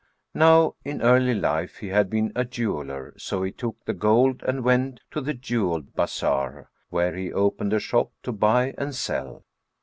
Now in early life he had been a jeweller; so he took the gold and went to the jewel bazar, where he opened a shop to buy and sell.